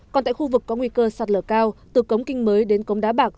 còn tại khu vực có nguy cơ sạt lở cao từ cống kinh mới đến cống đá bạc